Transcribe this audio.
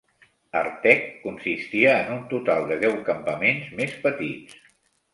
Artek consistia en un total de deu campaments més petits.